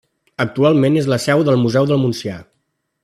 Actualment és la seu del Museu del Montsià.